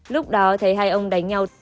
lúc đó thấy hai ông đánh nhau